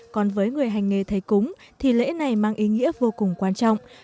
còn với người hành nghề thầy cúng thì lễ này mang ý nghĩa vô cùng quan trọng